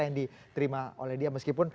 yang diterima oleh dia meskipun